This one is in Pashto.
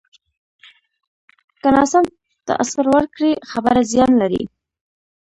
که ناسم تاثر ورکړې، خبره زیان لري